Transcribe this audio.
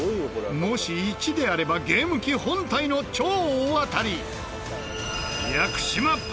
もし１であればゲーム機本体の超大当たり。